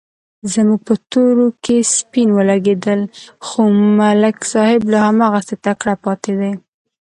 زموږ په تورو کې سپین ولږېدل، خو ملک صاحب لا هماغسې تکړه پاتې دی.